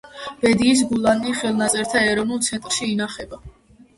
ბედიის გულანი ხელნაწერთა ეროვნულ ცენტრში ინახება.